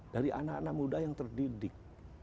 dari anak anak muda yang terdidik